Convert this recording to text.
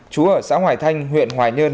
chú ở xã hoài thanh huyện hoài nhơn